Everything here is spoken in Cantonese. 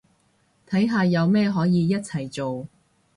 睇下有咩可以一齊做